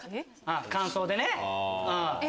感想でね。